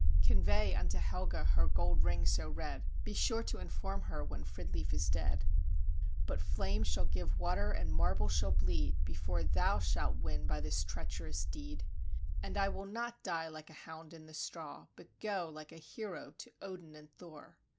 "Convey unto Helga her gold ring so red; Be sure to inform her when Fridleif is dead; "But flame shall give water, and marble shall bleed, Before thou shalt win by this treacherous deed: "And I will not die like a hound, in the straw, But go, like a hero, to Odin and Thor."